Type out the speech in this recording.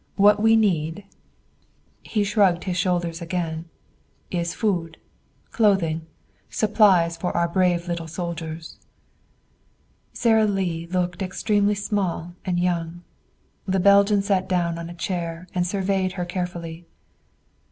What we need" he shrugged his shoulders again "is food, clothing, supplies for our brave little soldiers." Sara Lee looked extremely small and young. The Belgian sat down on a chair and surveyed her carefully.